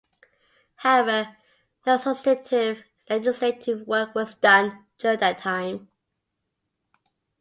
However, no substantive legislative work was done during that time.